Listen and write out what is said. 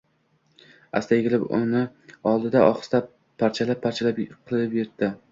Аsta egilib uni oldi-da, ohista parcha-parcha qilib yirtdi.